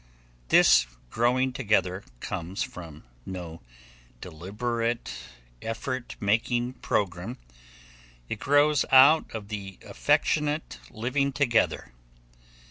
This growing together comes from no deliberate, effort making program. It grows out of the affectionate living together.